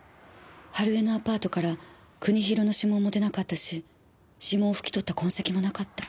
春枝のアパートから国広の指紋も出なかったし指紋を拭き取った痕跡もなかった。